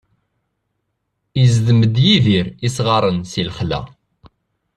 Izdem-d Yidir isɣaren si lexla.